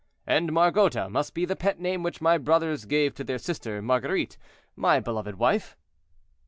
"And 'Margota' must be the pet name which my brothers gave to their sister Marguerite, my beloved wife."